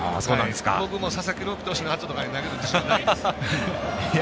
僕も佐々木朗希選手のあととかに投げる自信はないです。